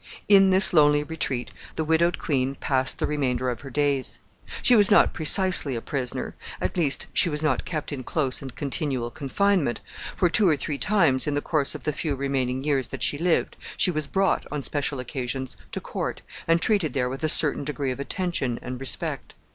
In this lonely retreat the widowed queen passed the remainder of her days. She was not precisely a prisoner at least, she was not kept in close and continual confinement, for two or three times, in the course of the few remaining years that she lived, she was brought, on special occasions, to court, and treated there with a certain degree of attention and respect.